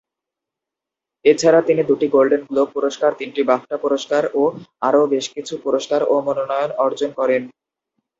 এছাড়া তিনি দুটি গোল্ডেন গ্লোব পুরস্কার, তিনটি বাফটা পুরস্কার ও আরও বেশ কিছু পুরস্কার ও মনোনয়ন অর্জন করেন।